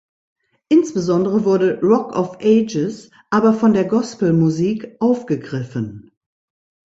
Insbesondere wurde "Rock of Ages" aber von der Gospelmusik aufgegriffen.